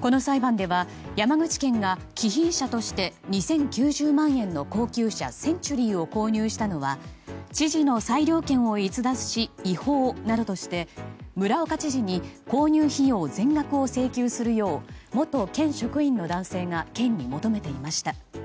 この裁判では、山口県が貴賓車として２０９０万円の高級車センチュリーを購入したのは知事の裁量権を逸脱し違法などとして村岡知事に購入費用全額を請求するよう元県職員の男性が県に求めていました。